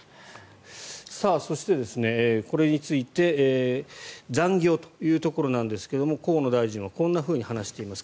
そして、これについて残業というところなんですが河野大臣はこんなふうに話しています。